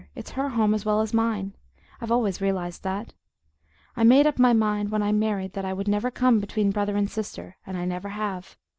It's her home as well as mine; I've always realized that. I made up my mind, when I married, that I never would come between brother and sister, and I never have.